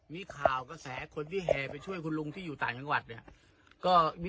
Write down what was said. มีข่าวกระแสคนที่แห่ไปช่วยคุณลุงที่อยู่ต่างจังหวัดเนี่ย